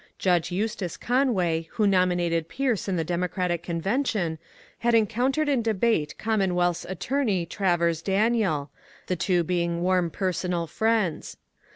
Judge Eustace Conway, who nomi nated Pierce in the Democratic Convention, had encountered in debate Commonwealth's Attorney Travers Daniel, — the two being warm personal friends.